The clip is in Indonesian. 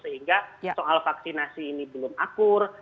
sehingga soal vaksinasi ini belum akur